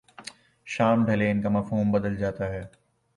شام ڈھلے ان کا مفہوم بدل جاتا ہے۔